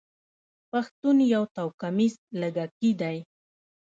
پښتون يو توکميز لږکي دی.